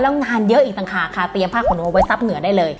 แล้วงานเยอะอีกต่างหากค่ะเตรียมผ้าขนหนูไว้ซับเหนือได้เลย